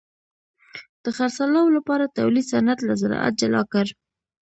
د خرڅلاو لپاره تولید صنعت له زراعت جلا کړ.